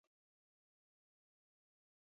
壳口为特殊的类六边形。